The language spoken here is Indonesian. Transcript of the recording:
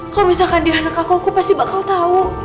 kalau misalkan di anak aku aku pasti bakal tahu